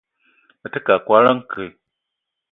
Me te keu a koala nke.